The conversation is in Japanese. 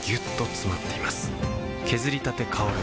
削りたて香る